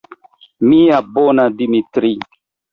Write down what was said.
Mia bona Dimitri!